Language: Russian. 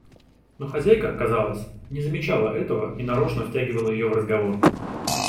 Но хозяйка, казалось, не замечала этого и нарочно втягивала ее в разговор.